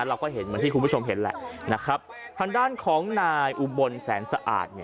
เราก็เห็นเหมือนที่คุณผู้ชมเห็นแหละนะครับทางด้านของนายอุบลแสนสะอาด